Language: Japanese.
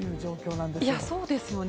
そうですよね。